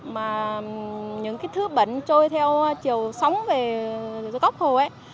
mà những thứ bẩn trôi theo chiều sóng về góc hồ ấy